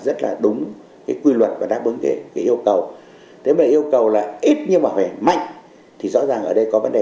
rất là đúng cái quy luật và đáp ứng cái yêu cầu thế mà yêu cầu là ít nhưng mà phải mạnh thì rõ ràng ở đây có vấn đề